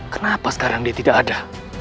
kenapa sekarang dia tidak ada